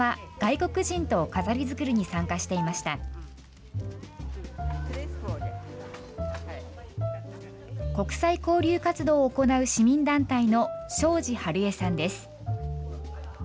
国際交流活動を行う市民団体の庄司春江さんです。